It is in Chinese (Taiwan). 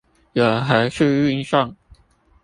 由何處運送？